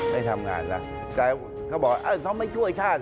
ไม่ทำงานแล้วแต่เขาบอกเอ๊ะเขาไม่ช่วยชาติเหรอ